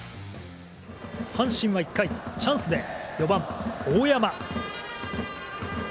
阪神は１回チャンスで４番、大山。